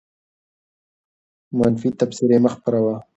منفي تبصرې مه خپروه.